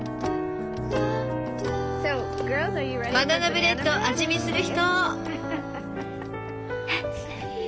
バナナブレッド味見する人？